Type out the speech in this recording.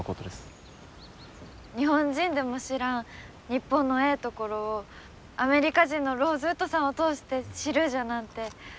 日本人でも知らん日本のええところをアメリカ人のローズウッドさんを通して知るじゃなんて